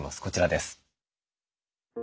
こちらです。